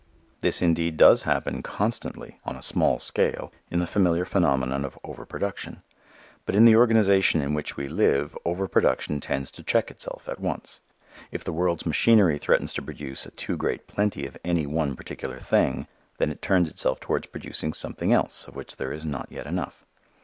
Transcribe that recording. This indeed does happen constantly on a small scale in the familiar phenomenon of over production. But in the organization in which we live over production tends to check itself at once. If the world's machinery threatens to produce a too great plenty of any particular thing, then it turns itself towards producing something else of which there is not yet enough.